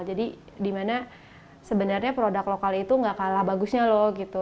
jadi dimana sebenarnya produk lokal itu gak kalah bagusnya loh gitu